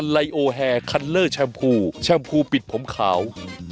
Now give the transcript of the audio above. แช่งภูปิดผมขาว